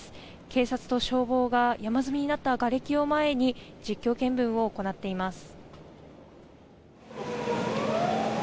警察と消防が山積みになったがれきを前に実況見分を行っています。